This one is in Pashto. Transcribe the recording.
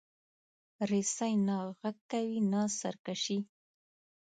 رسۍ نه غږ کوي، نه سرکشي.